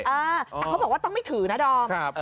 อ่าแต่เขาบอกว่าต้องไม่ถือนะดอม